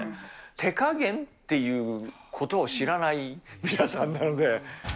手加減っていうことを知らない皆さんなので。